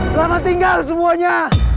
selamat tinggal semuanya